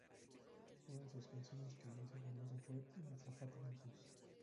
Una de sus canciones que le hizo famoso fue "La azafata del bus".